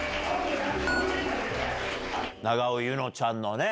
永尾柚乃ちゃんのね